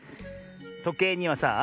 とけいにはさあ